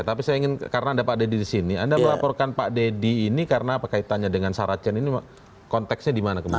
tapi saya ingin karena ada pak deddy di sini anda melaporkan pak deddy ini karena apa kaitannya dengan saracen ini konteksnya di mana kemudian